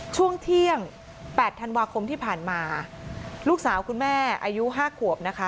ช่วงเที่ยงแปดธันวาคมที่ผ่านมาลูกสาวคุณแม่อายุห้าขวบนะคะ